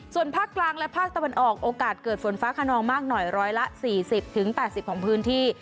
ส่วนภาคกลางและภาคตะวันออกโอกาสเกิดฝนฟ้าขนองมากหน่อย๑๔๐๘๐ของพื้นที่